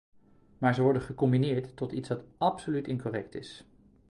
Maar ze worden gecombineerd tot iets dat absoluut incorrect is.